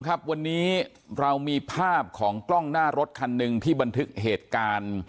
ครับวันนี้เรามีภาพของกล้องหน้ารถคันหนึ่งที่บันทึกเหตุการณ์